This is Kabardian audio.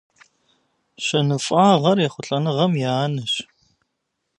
Щэныфӏагъэр ехъулӏэныгъэм и анэщ.